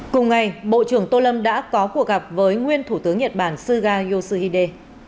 cùng ngày bộ trưởng tô lâm đã có cuộc gặp với nguyên thủ tướng nhật bản suga yoshihide